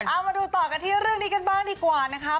เอามาดูต่อกันที่เรื่องนี้กันบ้างดีกว่านะคะ